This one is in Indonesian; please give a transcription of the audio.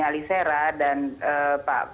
alisera dan pak